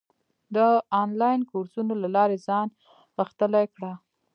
د انلاین کورسونو له لارې ځان غښتلی کړه.